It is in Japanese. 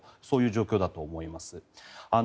そういう状況だと思います。